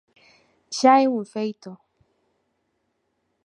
Xa é un feito.